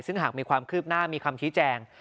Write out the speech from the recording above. ซึ่งหากมีความคืบหน้ามีคำชี้แจง